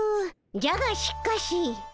「じゃがしかし」